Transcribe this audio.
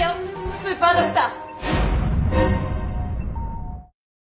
スーパードクター。